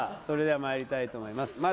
それではまいりたいと思います